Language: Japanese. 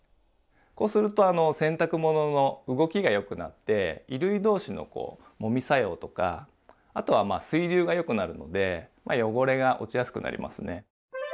こうすると洗濯物の動きがよくなって衣類同士のこうもみ作用とかあとは水流がよくなるので汚れが落ちやすくなりますね。